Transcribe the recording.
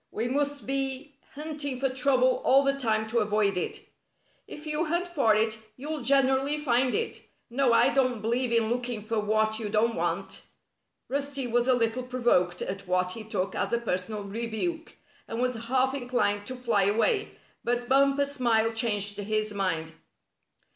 We must be hunting for trouble all the time to avoid it." "If you hunt for it you'll generally find it. No, I don't believe in looking for what you don't want." Rusty was a little provoked at what he took as a personal rebuke, and was half inclined to fly away; but Bumper's smile changed his mind.